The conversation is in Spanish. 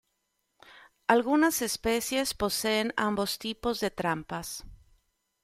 Algunas especies poseen ambos tipos de trampas.